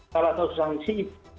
kalau takut sanksi